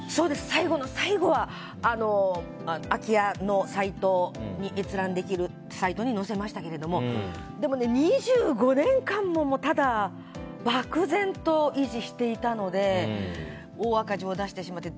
最後の最後は空き家の閲覧できるサイトに載せましたけどでも、２５年間もただ漠然と維持していたので大赤字を出してしまって。